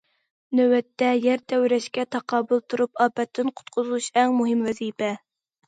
نۆۋەتتە، يەر تەۋرەشكە تاقابىل تۇرۇپ، ئاپەتتىن قۇتقۇزۇش ئەڭ مۇھىم ۋەزىپە.